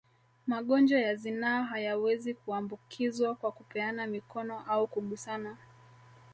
Magonjwa ya zinaa hayawezi kuambukizwa kwa kupeana mikono au kugusana